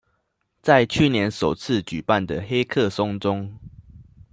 在去年首次舉辦的黑客松中